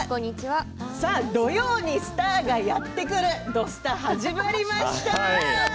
さあ、土曜にスターがやってくる「土スタ」始まりました。